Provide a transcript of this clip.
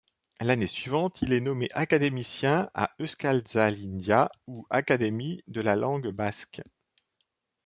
L'année suivante, il est nommé académicien à Euskaltzaindia ou Académie de la langue basque.